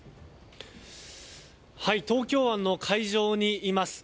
東京湾の海上にいます。